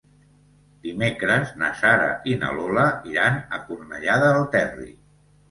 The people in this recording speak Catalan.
Dimecres na Sara i na Lola iran a Cornellà del Terri.